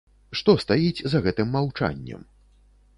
Што стаіць за гэтым маўчаннем?